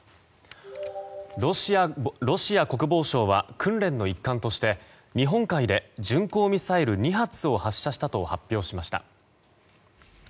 ロシア国防省は訓練の一環として日本海で巡航ミサイル２発を発射したと発表しました。